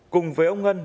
cùng với ông ngân